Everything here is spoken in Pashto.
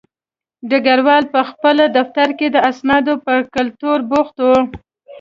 ډګروال په خپل دفتر کې د اسنادو په کتلو بوخت و